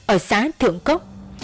ở xã thư cốc